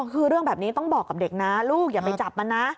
คือเรื่องแบบนี้ต้องบอกกับเด็กนะลูกอย่าไปจับมันนะ